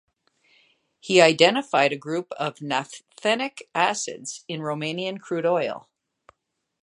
He identified a group of naphthenic acids in Romanian crude oil.